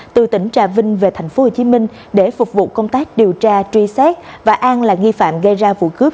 từ tỉnh trà vinh về tp hcm để phục vụ công tác điều tra truy xét và an là nghi phạm gây ra vụ cướp